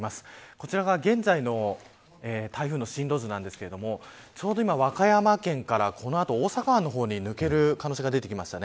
こちらが現在の台風の進路図なんですけれどもちょうど今、和歌山県からこの後、大阪湾の方に抜ける可能性が出てきました。